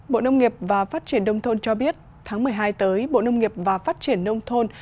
bộ nông nghiệp và phát triển đông thôn cho biết tháng một mươi hai tới bộ nông nghiệp và phát triển nông thôn